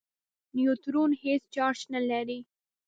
نیوټرون هېڅ چارج نه لري.